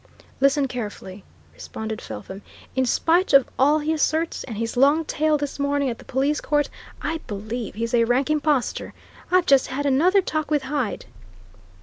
"Listen carefully," responded Felpham. "In spite of all he asserts, and his long tale this morning at the police court, I believe he's a rank impostor! I've just had another talk with Hyde."